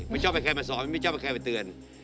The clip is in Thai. ไม่ชอบใครมาสอนไม่ชอบใครมาเตือน